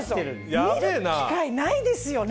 見る機会ないですよね。